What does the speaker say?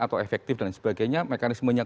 atau efektif dan sebagainya mekanismenya